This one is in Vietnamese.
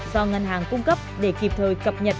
do ngân hàng cung cấp để kịp thời cập nhật